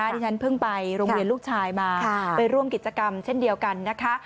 ที่ฉันเพิ่งไปโรงเรียนลูกชายมาไปร่วมกิจกรรมเช่นเดียวกันนะคะ